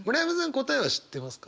答えは知ってますか？